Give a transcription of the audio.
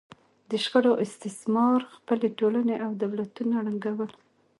دې شخړو استثمار ځپلې ټولنې او دولتونه ړنګول